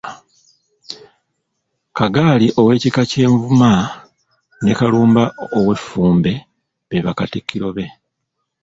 Kagali ow'ekika ky'Envuma ne Kalumba ow'Effumbe be Bakatikkiro be.